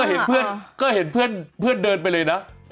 เออก็เห็นเพื่อนเพื่อนเดินไปเลยนะ